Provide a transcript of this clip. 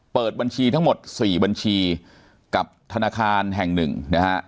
เปิดบัญชีทั้งหมด๔บัญชีกับธนาคารแห่งหนึ่งนะฮะ